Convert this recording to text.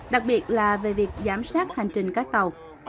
đặc biệt là về việc giám sát hành trình các tàu